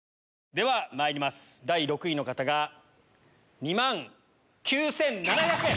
ではまいります第６位の方が２万９７００円。